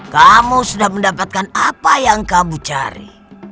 kamu sudah mendapatkan apa yang kamu cari